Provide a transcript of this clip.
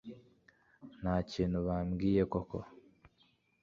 Nta kintu bambwiye koko